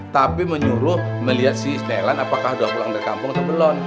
tapi menyuruh melihat si thailand apakah sudah pulang dari kampung atau belum